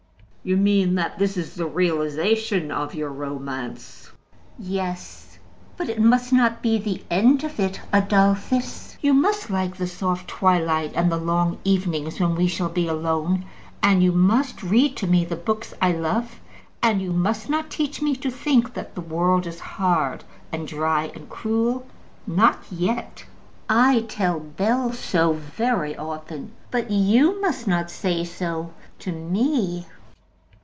"You mean that this is the realization of your romance." "Yes; but it must not be the end of it, Adolphus. You must like the soft twilight, and the long evenings when we shall be alone; and you must read to me the books I love, and you must not teach me to think that the world is hard, and dry, and cruel, not yet. I tell Bell so very often; but you must not say so to me."